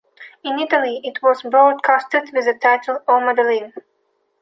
In Italy it was broadcasted with the title “Oh Madeline”.